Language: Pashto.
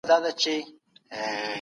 کمپيوټر د فولډر نوم بدلوي.